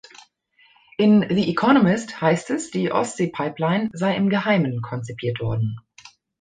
In "The Economist" heißt es, die Ostsee-Pipeline sei im Geheimen konzipiert worden.